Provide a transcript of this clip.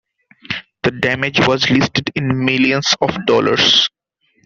The damage was listed in millions of dollars.